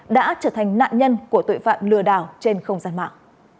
đã trở thành nạn nhân của tội phạm lừa đảo trên không gian mạng